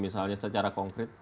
misalnya secara konkret